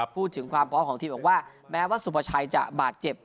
พูดถึงความพร้อมของทีมบอกว่าแม้ว่าสุภาชัยจะบาดเจ็บ